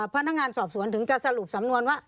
พนักงานสอบสวนถึงจะสรุปสำนวนว่า